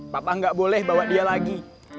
papa nggak boleh bawa dia lagi